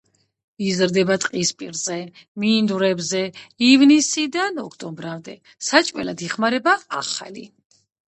იზრდება ტყისპირებზე, მინდვრებზე ივნისიდან ოქტომბრამდე, საჭმელად იხმარება ახალი.